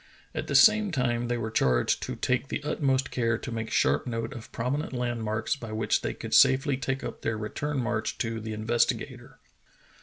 At the same time they were charged to take the utmost care to make sharp note of prominent landmarks by which they could safely take up their return march to the Investigator.